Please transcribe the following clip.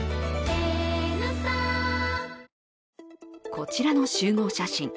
こちらの集合写真。